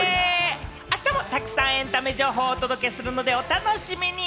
あしたもたくさんエンタメ情報をお届けするので、お楽しみに！